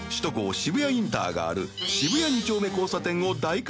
渋谷インターがある渋谷２丁目交差点を經瓜格㎢